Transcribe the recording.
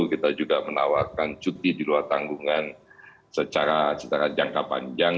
kita juga menawarkan cuti di luar tanggungan secara jangka panjang